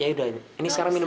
ya udah ini sekarang minum